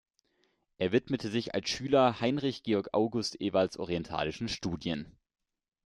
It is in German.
Er widmete sich als Schüler Heinrich Georg August Ewalds orientalischen Studien.